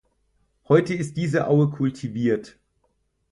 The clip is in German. Heute ist diese Aue kultiviert.